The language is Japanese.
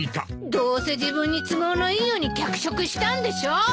どうせ自分に都合のいいように脚色したんでしょ。